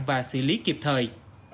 và xử lý kịp thời